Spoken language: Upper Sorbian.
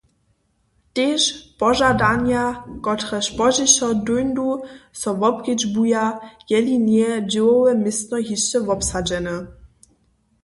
Tež požadanja, kotrež pozdźišo dóńdu, so wobkedźbuja, jeli njeje dźěłowe městno hišće wobsadźene.